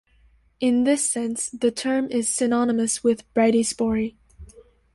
In this sense, the term is synonymous with bradyspory.